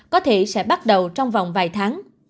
có thể sẽ bắt đầu trong vòng vài tháng